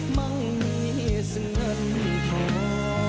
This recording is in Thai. มั่งมีเสียงเงินทอง